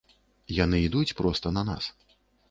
Яны ідуць проста на нас.